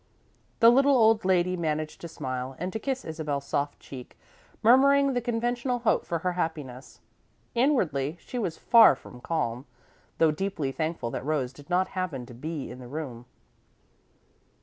The little old lady managed to smile and to kiss Isabel's soft cheek, murmuring the conventional hope for her happiness. Inwardly, she was far from calm, though deeply thankful that Rose did not happen to be in the room.